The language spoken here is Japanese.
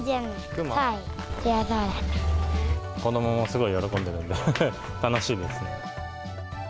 子どももすごい喜んでるんで、楽しいですね。